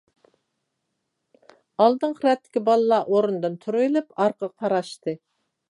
ئالدىنقى رەتتىكى بالىلار ئورنىدىن تۇرۇۋېلىپ ئارقىغا قاراشتى.